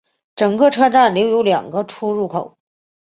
整个车站留有两个出入口。